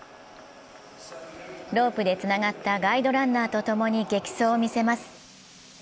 ロープでつながったガイドランナーとともに激走を見せます。